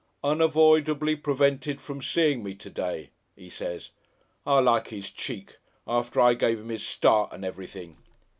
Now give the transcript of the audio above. "'Unavoidably prevented from seein' me to day,' 'e says. I like 'is cheek. After I give 'im 'is start and everything."